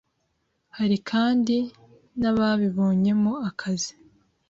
Hari kandi n’abayibonyemo akazi